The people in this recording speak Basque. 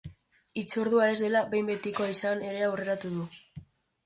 Hitzordua ez dela behin betikoa izango ere aurreratu du.